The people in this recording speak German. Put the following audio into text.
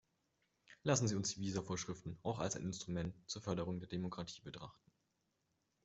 Lassen Sie uns die Visavorschriften auch als ein Instrument zur Förderung der Demokratie betrachten.